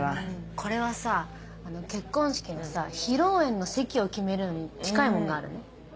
これはさ結婚式のさ披露宴の席を決めるのに近いもんがあるね。